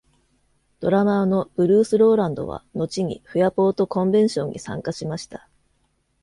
ドラマーのブルース・ローランドは後にフェアポート・コンベンションに参加しました。